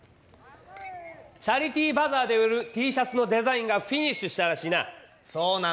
チャリティーバザーで売るＴシャツのデザインがフィニッシュしたらしいな！